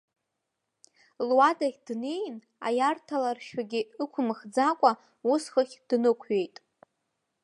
Луадахь днеин, аиарҭаларшәгьы ықәымхӡакәа ус хыхь днықәиеит.